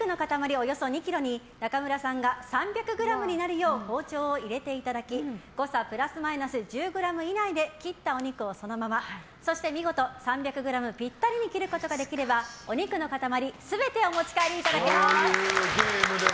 およそ２ｋｇに中村さんが３００ｇになるよう包丁を入れていただき誤差プラスマイナス１０ｇ以内で切ったお肉をそのままそして見事３００ｇぴったりに切ることができればお肉の塊全てお持ち帰りいただけます。